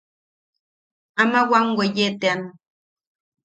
Ama wam weye tean.